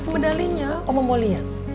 medalinya oma boleh ya